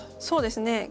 そうですね。